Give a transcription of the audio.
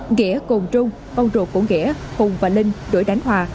nghĩa cùng trung ông ruột của nghĩa hùng và linh đuổi đánh hòa